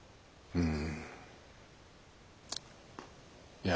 うん。